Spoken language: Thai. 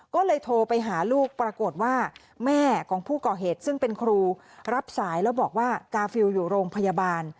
ก็เลยโทรไปหาลูกปรากฏว่าแม่ของผู้ก่อเหตุซึ่งเป็นครูรับสายแล้วบอกว่ากาฟิลอยู่โรงพยาบาล